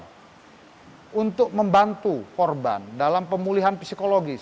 hai untuk membantu korban dalam pemulihan psikologis